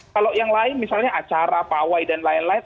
kalau yang lain misalnya acara pawai dan lain lain